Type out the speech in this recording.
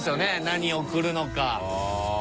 何送るのか。